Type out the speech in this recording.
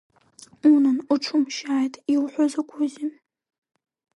Унан, уҽумшьааит, иуҳәо закәызеи?!